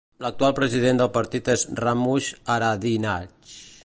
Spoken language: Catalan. L'actual president del partit és Ramush Haradinaj.